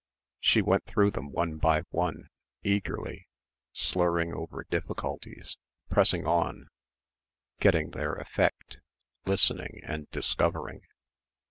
She went through them one by one, eagerly, slurring over difficulties, pressing on, getting their effect, listening and discovering.